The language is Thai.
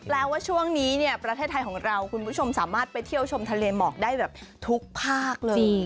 ว่าช่วงนี้เนี่ยประเทศไทยของเราคุณผู้ชมสามารถไปเที่ยวชมทะเลหมอกได้แบบทุกภาคเลย